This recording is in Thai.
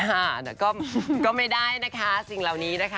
แต่ก็ไม่ได้นะคะสิ่งเหล่านี้นะคะ